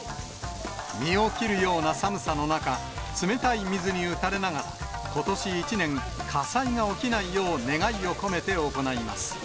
身を切るような寒さの中、冷たい水に打たれながら、ことし一年、火災が起きないよう願いを込めて行います。